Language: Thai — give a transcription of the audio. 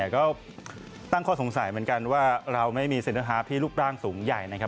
ก็ตั้งข้อสงสัยเหมือนกันว่าเราไม่มีศิลธิภาพที่ลูกร่างสูงใหญ่นะครับ